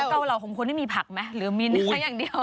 เกาเหล่าของคุณนี่มีผักไหมหรือมีเนื้ออย่างเดียว